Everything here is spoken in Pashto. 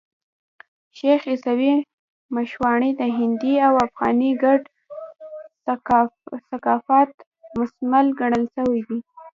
شېخ عیسي مشواڼي د هندي او افغاني ګډ ثقافت ممثل ګڼل سوى دئ.